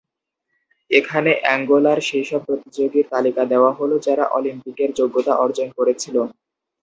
এখানে অ্যাঙ্গোলার সেইসব প্রতিযোগীর তালিকা দেওয়া হল যারা অলিম্পিকের যোগ্যতা অর্জন করেছিল।